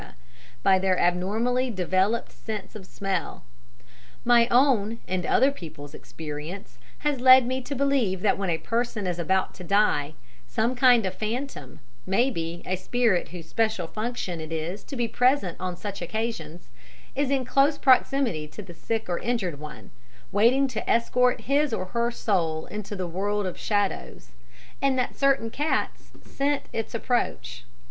by their abnormally developed sense of smell. My own and other people's experience has led me to believe that when a person is about to die, some kind of phantom, maybe, a spirit whose special function it is to be present on such occasions, is in close proximity to the sick or injured one, waiting to escort his or her soul into the world of shadows and that certain cats scent its approach.